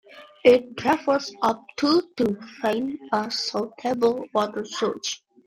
It travels up to to find a suitable water source.